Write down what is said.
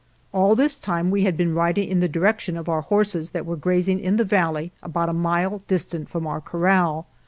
All this time we had been riding in the direction of our horses that were grazing in the valley about a mile distant from our corral.